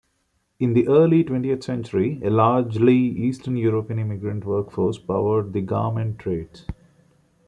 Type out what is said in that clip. In the early twentieth-century a largely Eastern European immigrant workforce powered the garment trades.